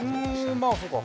うんまあそうか！